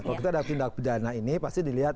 kalau kita ada tindak pidana ini pasti dilihat